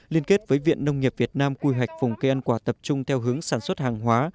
liên kết với viện nông nghiệp việt nam quy hoạch vùng cây ăn quả tập trung theo hướng sản xuất hàng hóa